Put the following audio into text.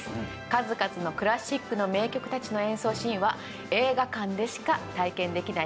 数々のクラシックの名曲たちの演奏シーンは映画館でしか体験できない感動があります。